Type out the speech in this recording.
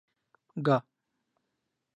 گا